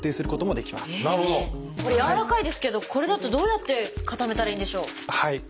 これ軟らかいですけどこれだとどうやって固めたらいいんでしょう？